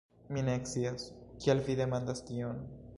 Mi ne scias, kial vi demandas tion?